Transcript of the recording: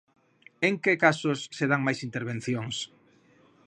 En que casos se dan máis intervencións?